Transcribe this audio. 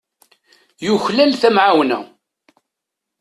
Yuklal tamɛawna.